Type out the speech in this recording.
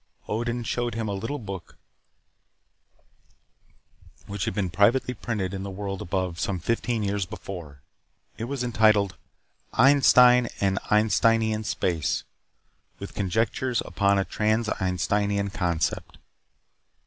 Odin showed him a little book, which had been privately printed in the world above some fifteen years before. It was entitled: "Einstein and Einsteinian Space, with Conjectures upon a Trans Einsteinian concept."